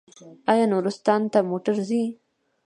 آیا نورستان ته موټر ځي؟